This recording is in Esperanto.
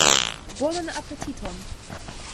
Bonan apetiton!